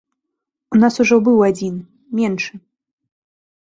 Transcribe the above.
У нас ужо быў адзін, меншы.